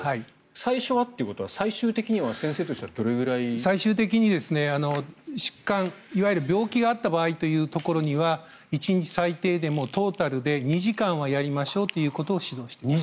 最初はということは最終的には先生としては最終的に疾患いわゆる病気があった場合のところには１日最低でもトータルで２時間はやりましょうと指導しています。